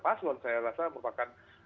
paslon saya rasa merupakan